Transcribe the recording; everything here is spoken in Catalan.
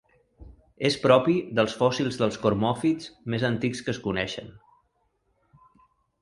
És propi dels fòssils dels cormòfits més antics que es coneixen.